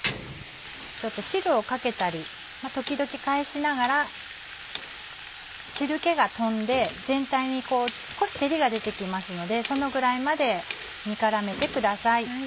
汁をかけたり時々返しながら汁気が飛んで全体にこう少し照りが出てきますのでそのぐらいまで煮絡めてください。